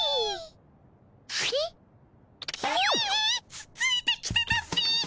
つついてきてたっピッ。